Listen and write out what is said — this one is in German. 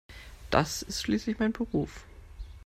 Das ist schließlich mein Beruf.